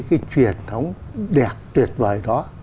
cái truyền thống đẹp tuyệt vời đó